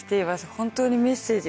本当にメッセージ。